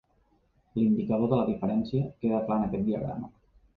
L'indicador de la diferència queda clar en aquest diagrama.